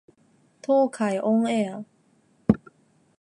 東海オンエア